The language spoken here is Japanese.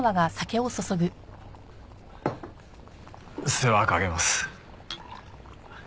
世話かけます。